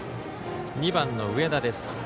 ２番の上田です。